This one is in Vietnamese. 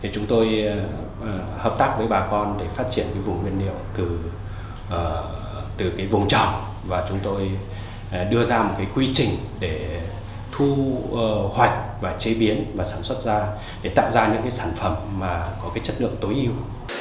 chúng tôi hợp tác với bà con để phát triển vùng nguyên liệu từ vùng trồng và chúng tôi đưa ra một quy trình để thu hoạch và chế biến và sản xuất ra để tạo ra những sản phẩm có chất lượng tối ưu